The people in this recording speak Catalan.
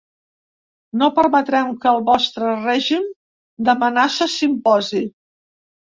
No permetrem que el vostre règim d’amenaces s’imposi.